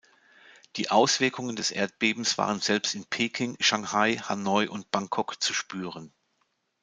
Die Auswirkungen des Erdbebens waren selbst in Peking, Shanghai, Hanoi und Bangkok zu spüren.